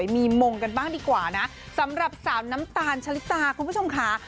มีมงกันบ้างดีกว่านะสำหรับสาวน้ำตาลชะลิตาคุณผู้ชมค่ะ